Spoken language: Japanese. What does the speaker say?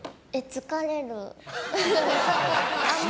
疲れる。